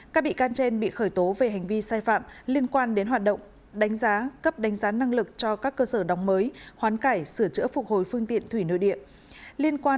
các bị can trên bị khởi tố về hành vi sai phạm liên quan đến hoạt động đánh giá cấp đánh giá năng lực cho các cơ sở đóng mới hoán cải sửa chữa phục hồi phương tiện thủy nơi địa